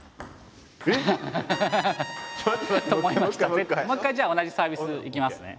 もう一回じゃあ同じサービスいきますね。